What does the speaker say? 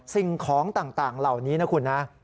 สิ่งของต่างเหล่านี้นะคุณนะ